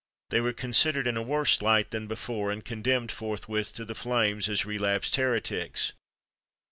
They were considered in a worse light than before, and condemned forthwith to the flames as relapsed heretics.